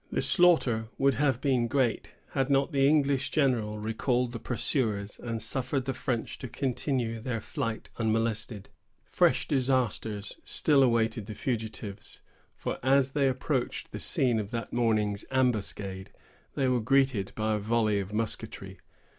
The slaughter would have been great, had not the English general recalled the pursuers, and suffered the French to continue their flight unmolested. Fresh disasters still awaited the fugitives; for, as they approached the scene of that morning's ambuscade, they were greeted by a volley of musketry.